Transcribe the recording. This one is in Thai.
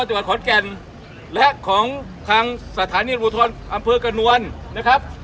จังหวัดขอนแก่นและของทางสถานีอุทรอำเภอกระนวลนะครับ